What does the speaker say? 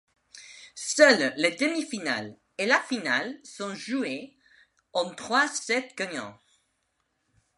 Seuls les demi-finales et la finale sont jouées en trois sets gagnants.